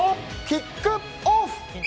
キックオフ。